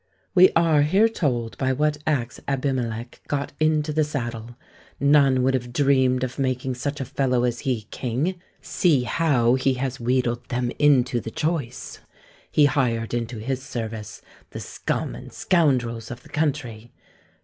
"We are here told by what acts Abimelech got into the saddle. None would have dreamed of making such a fellow as he king. See how he has wheedled them into the choice. He hired into his service the scum and scoundrels of the country.